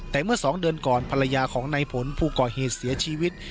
แต่เมื่อ๒เดือนก่อนภรรยาของนายผลผู้ก่อเหตุเสียชีวิต